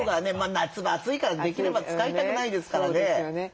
夏場暑いからできれば使いたくないですからね。